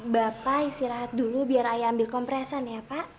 bapak istirahat dulu biar ayah ambil kompresan ya pak